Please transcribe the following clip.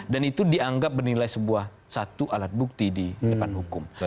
dan itu dianggap menilai sebuah satu alat bukti di depan hukum